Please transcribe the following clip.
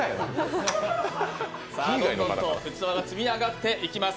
どんどんと器が積み上がっていきます。